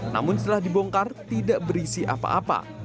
namun setelah dibongkar tidak berisi apa apa